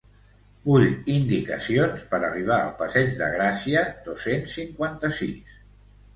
Vull indicacions per arribar al passeig de Gràcia dos-cents cinquanta-sis.